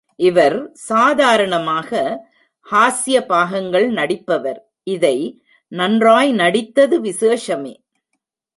இவர் சாதாரணமாக ஹாஸ்ய பாகங்கள் நடிப்பவர், இதை நன்றாய் நடித்தது விசேஷமே.